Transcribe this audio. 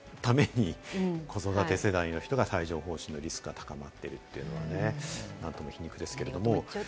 大事ですけれども、そのために子育て世代の人が帯状疱疹のリスクが高まっているというのはね、何とも皮肉ですけれども。